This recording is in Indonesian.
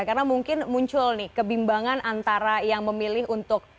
karena mungkin muncul nih kebimbangan antara yang memilih untuk